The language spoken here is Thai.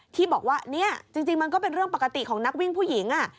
ที่บอกว่าเนี่ยจริงมันก็เป็นเรื่องปกติของนักวิ่งผู้หญิง